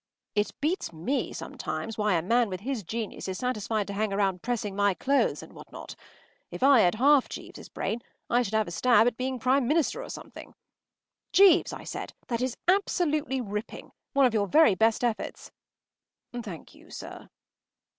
It beats me sometimes why a man with his genius is satisfied to hang around pressing my clothes and what not. If I had half Jeeves’s brain, I should have a stab at being Prime Minister or something. “Jeeves,” I said, “that is absolutely ripping! One of your very best efforts.” “Thank you, sir.